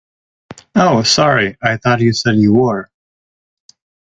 Oh, sorry, I thought you said you were.